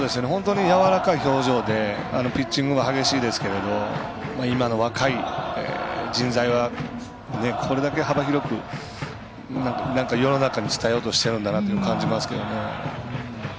本当にやわらかい表情でピッチングは激しいですけど今の若い人材は、これだけ幅広くなんか世の中に伝えようとしてるんだなというのを感じますけどね。